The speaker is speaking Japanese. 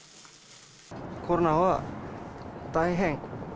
コロナは大変。